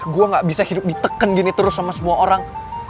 gue gak bisa hidup diteken gini terus sama semua orang